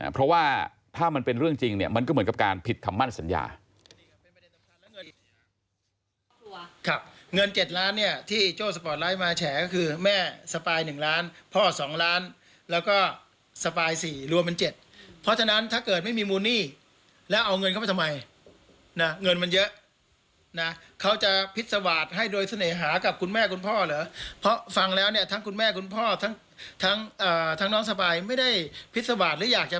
เพราะว่าถ้ามันเป็นเรื่องจริงเนี่ยมันก็เหมือนกับการผิดคำมั่นสัญญา